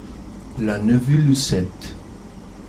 La Neuville-Housset